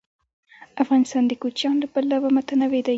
افغانستان د کوچیان له پلوه متنوع دی.